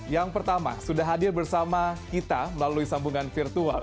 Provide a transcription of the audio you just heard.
yang pertama sudah hadir bersama kita melalui sambungan virtual